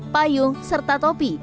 payung serta topi